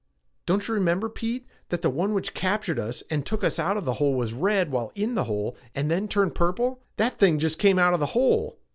"Don't you remember, Pete, that the one which captured us and took us out of the hole was red while in the hole and then turned purple? That thing just came out of the hole!"